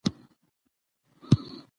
سپورت او ورزش ته ځانګړې پاملرنه کیږي.